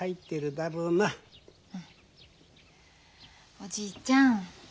おじいちゃん